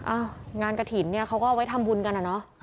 งานกระถิ่นเนี่ยเขาก็เอาไว้ทำบุญกันอะเนาะ